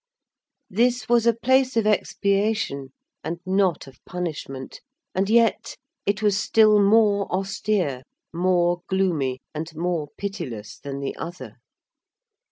This was a place of expiation, and not of punishment; and yet, it was still more austere, more gloomy, and more pitiless than the other.